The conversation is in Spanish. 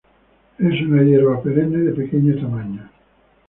Es una hierba perenne de pequeño tamaño.